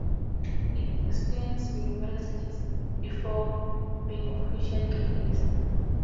It experienced numerous leaks before being officially released.